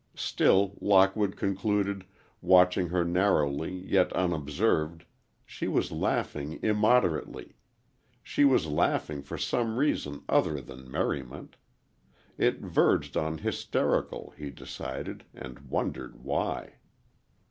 Still, Lockwood concluded, watching her narrowly, yet unobserved, she was laughing immoderately. She was laughing for some reason other than merriment. It verged on hysterical, he decided, and wondered why.